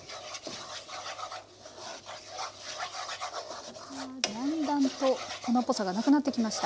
あだんだんと粉っぽさがなくなってきました。